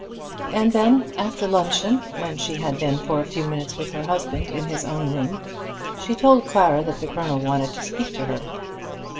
And then, after luncheon, when she had been for a few minutes with her husband in his own room, she told Clara that the Colonel wanted to speak to her.